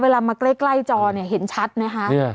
เวลามาใกล้จอเห็นชัดนะครับ